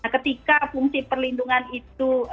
ketika fungsi perlindungan itu